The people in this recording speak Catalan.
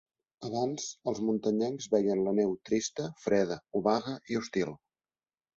Abans, els muntanyencs veien la neu trista, freda, obaga i hostil.